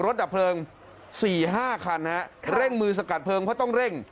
ดับเพลิง๔๕คันฮะเร่งมือสกัดเพลิงเพราะต้องเร่ง